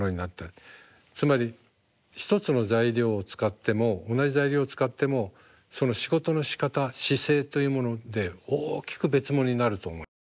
つまり一つの材料を使っても同じ材料を使ってもその仕事のしかた姿勢というもので大きく別物になると思います。